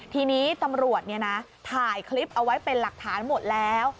ทีนี้ตำรวจถ่ายคลิปเอาไว้เป็นหลักฐานหมดแล้ว